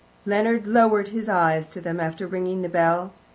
Leonard lowered his eyes to them after ringing the bell.